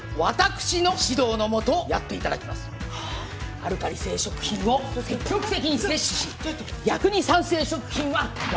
アルカリ性食品を積極的に摂取し逆に酸性食品はやめていただく。